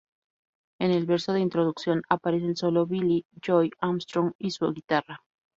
En el verso de introducción aparecen solo Billie Joe Armstrong y su guitarra.